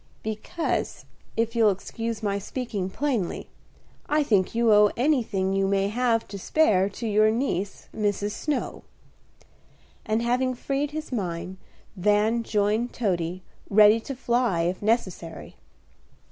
"Because, if you'll excuse my speaking plainly, I think you owe anything you may have to spare to your niece, Mrs. Snow;" and, having freed his mind, Van joined Toady, ready to fly if necessary.